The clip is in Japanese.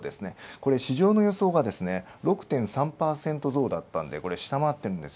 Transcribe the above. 市場の予想が６．３％増だったので下回ってるんです。